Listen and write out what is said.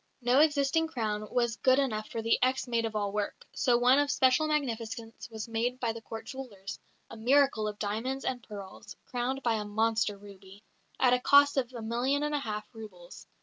No existing crown was good enough for the ex maid of all work, so one of special magnificence was made by the Court jewellers a miracle of diamonds and pearls, crowned by a monster ruby at a cost of a million and a half roubles.